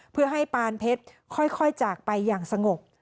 เพื่อให้ปานเพชรค่อยจากไปอย่างสงบ